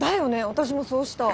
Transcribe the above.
私もそうした。